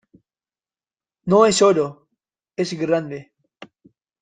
no es oro. es grande .